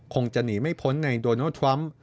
คงจะหนีไม่พ้นในโดนัลดทรัมป์